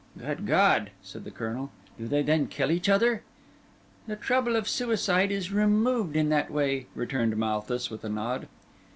"Good God!" said the Colonel, "do they then kill each other?" "The trouble of suicide is removed in that way," returned Malthus with a nod.